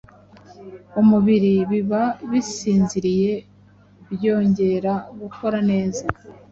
umubiri biba bisinziriye byongera gukora neza.